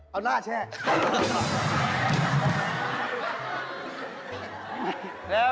เอาล่าแช่